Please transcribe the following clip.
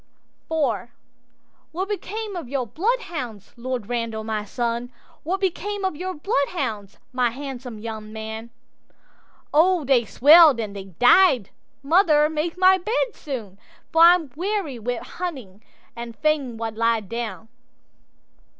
'IV'What became of your bloodhounds, Lord Randal, my son? What became of your bloodhounds, my handsome young man?'—'O they swell'd and they died; mother, make my bed soon, For I'm weary wi' hunting, and fain wald lie down.